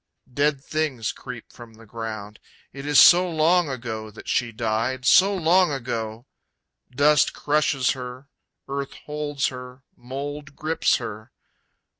Dead things creep from the ground. It is so long ago that she died, so long ago! Dust crushes her, earth holds her, mold grips her.